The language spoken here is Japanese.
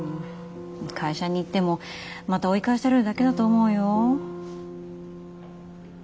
会社に行ってもまた追い返されるだけだと思うよ？